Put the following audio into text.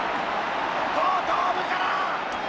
後頭部から！